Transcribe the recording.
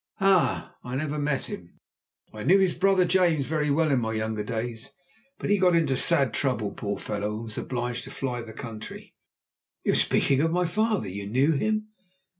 "Ah! I never met him. I knew his brother James very well in my younger days. But he got into sad trouble, poor fellow, and was obliged to fly the country." "You are speaking of my father. You knew him?"